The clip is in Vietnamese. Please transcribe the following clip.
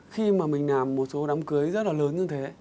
khi mà mình làm một số đám cưới rất là lớn như thế